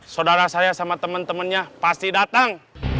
saudara saya sama temen temennya pasti datang